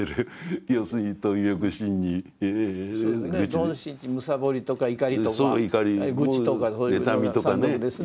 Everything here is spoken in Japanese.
貪・瞋・痴むさぼりとか怒りとか愚痴とかそういうような三毒ですね。